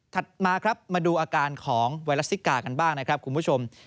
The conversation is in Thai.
มาครับมาดูอาการของไวรัสซิกากันบ้างนะครับคุณผู้ชม